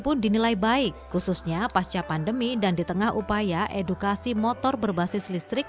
pun dinilai baik khususnya pasca pandemi dan di tengah upaya edukasi motor berbasis listrik